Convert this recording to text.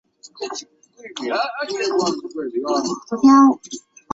此站在进入线前存在横渡线。